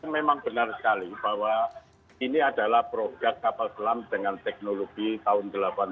memang benar sekali bahwa ini adalah produk kapal selam dengan teknologi tahun delapan puluh an